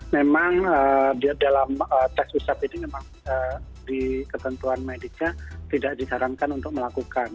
memang dalam tes usap ini memang di ketentuan mediknya tidak disarankan untuk melakukan